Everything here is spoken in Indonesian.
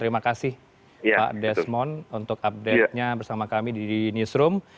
terima kasih pak desmond untuk update nya bersama kami di newsroom